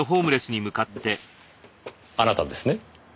あなたですね？